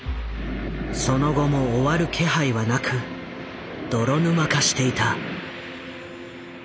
その後も終わる気配はなく泥沼化していた。